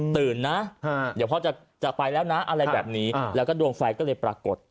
ตื่นนะเดี๋ยวพ่อจะไปแล้วนะอะไรแบบนี้แล้วก็ดวงไฟก็เลยปรากฏ